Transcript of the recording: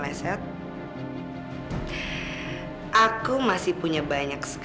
langsung buang mobil aja ya pak